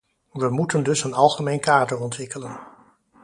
We moeten dus een algemeen kader ontwikkelen.